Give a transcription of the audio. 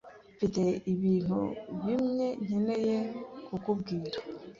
Mfite ibintu bimwe nkeneye kukubwira.